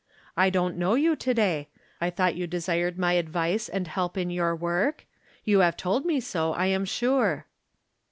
" I don't know you to day ; I thought you desired my advice and help in youx work? You have told me so, I am sure."